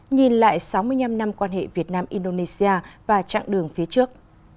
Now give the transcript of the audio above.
nhìn lại sáu mươi năm năm quan hệ việt nam indonesia và chặng đường phía trước